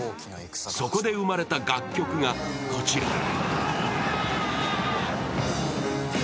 そこで生まれた楽曲が、こちら。